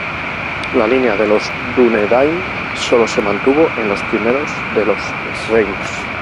La línea de los Dúnedain sólo se mantuvo en el primero de los reinos.